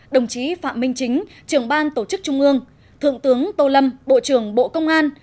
đồng chí phạm minh chính trưởng ban tổ chức trung ương thượng tướng tô lâm bộ trưởng bộ công an